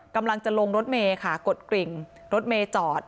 กำลังจะลงรถเมย์ค่ะกดกริ่งรถเมย์จอด